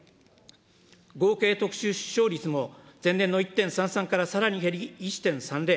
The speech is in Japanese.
合計特殊出生率も前年の１．３３からさらに減り、１．３０。